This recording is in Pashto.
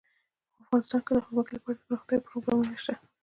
افغانستان کې د ځمکه لپاره دپرمختیا پروګرامونه شته.